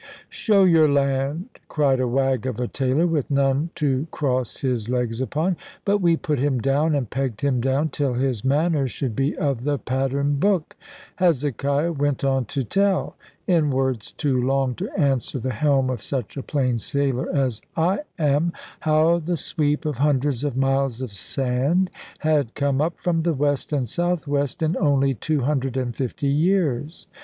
"Show your land," cried a wag of a tailor, with none to cross his legs upon; but we put him down, and pegged him down, till his manners should be of the pattern book. Hezekiah went on to tell, in words too long to answer the helm of such a plain sailor as I am, how the sweep of hundreds of miles of sand had come up from the west and south west in only two hundred and fifty years.